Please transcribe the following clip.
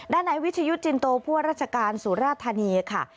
ด้านในวิชยุทธ์จินโตพวกราชการสุราธานีย์ค่ะ